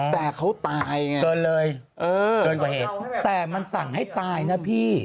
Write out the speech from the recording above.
แต่เขาตายไงเกินเลยเกินกว่าเหตุแต่มันสั่งให้ตายนะพี่